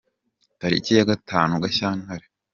Tariki ya gatanu Gashyantare